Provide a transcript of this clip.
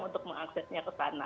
untuk mengaksesnya ke sana